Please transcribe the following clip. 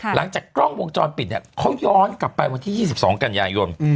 หลังจากกล้องวงจรปิดเนี่ยเขาย้อนกลับไปวันที่๒๒กันยายน